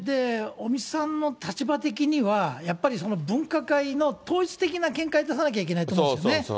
尾身さんの立場的には、やっぱり分科会の統一的な見解を出さなきゃいけないわけですよね。